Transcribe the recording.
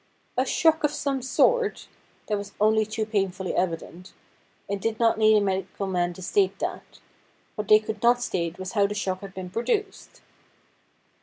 ' A shock of some sort !' That was only too painfully evident. It did not need a medi cal man to state that. What they could not state was how the shock had been produced.